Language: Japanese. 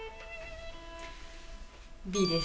Ｂです